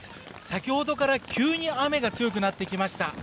先ほどから急に雨が強くなってきました。